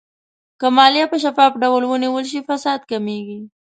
که مالیه په شفاف ډول ونیول شي، فساد کمېږي.